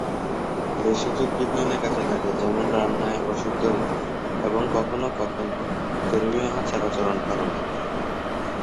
ভেষজ উদ্ভিদ নানা কাজে লাগে যেমন- রান্নায়, ঔষধ তৈরিতে, এবং কখন কখন ধর্মীয় আচার-আচরণ পালনে।